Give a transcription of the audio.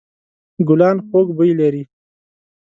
ګلان خوږ بوی لري.